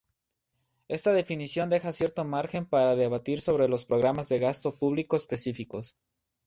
Esta definición deja cierto margen para debatir sobre los programas de gasto público específicos.